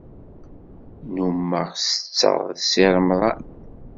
Nnummeɣ setteɣ d Si Remḍan.